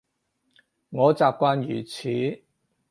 我習慣如此